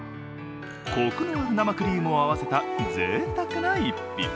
コクのある生クリームを合わせたぜいたくな一品。